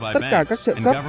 tất cả các trợ cấp